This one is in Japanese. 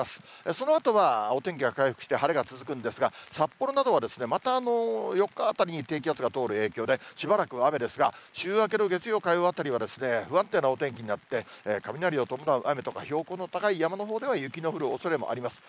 そのあとはお天気は回復して、晴れが続くんですが、札幌などはまた４日あたりに低気圧が通る影響でしばらくは雨ですが、週明けの月曜、火曜あたりは不安定なお天気になって、雷を伴うあめとか標高の高い山のほうでは雪の降るおそれもあります。